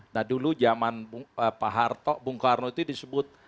nah dulu zaman pak harto bung karno itu disebut